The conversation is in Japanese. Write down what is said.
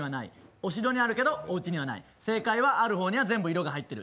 お城にあるけど、おうちにはない正解はある方には全部色が入ってる。